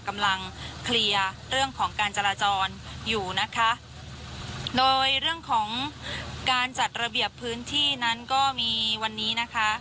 กำลังเคลียร์เรื่องของการจราจรอยู่นะคะโดยเรื่องของการจัดระเบียบพื้นที่นั้นก็มีวันนี้นะคะ